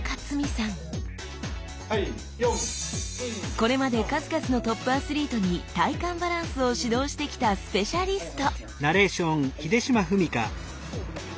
これまで数々のトップアスリートに体幹バランスを指導してきたスペシャリスト！